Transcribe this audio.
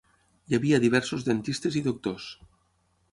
Hi havia diversos dentistes i doctors.